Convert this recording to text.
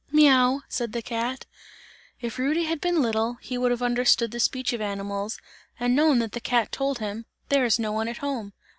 "Miau!" said the cat. If Rudy had been little, he would have understood the speech of animals and known that the cat told him: "There is no one at home!"